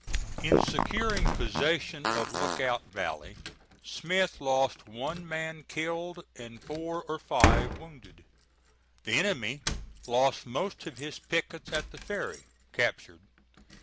In securing possession of Lookout Valley, Smith lost one man killed and four or five wounded. The enemy lost most of his pickets at the ferry, captured.